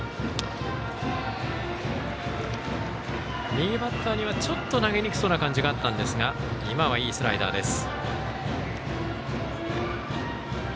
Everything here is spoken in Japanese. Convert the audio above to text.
右バッターにはちょっと投げにくそうな感じがあったんですが今は、いいスライダーです。